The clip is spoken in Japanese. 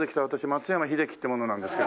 松山英樹って者なんですけど。